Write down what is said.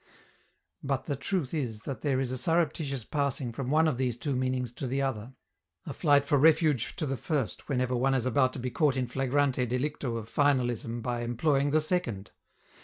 But the truth is that there is a surreptitious passing from one of these two meanings to the other, a flight for refuge to the first whenever one is about to be caught in flagrante delicto of finalism by employing the second.